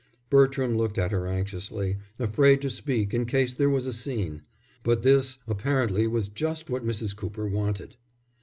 Bertram looked at her anxiously, afraid to speak in case there was a scene. But this apparently was just what Mrs. Cooper wanted.